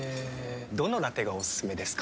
どのラテがおすすめですか？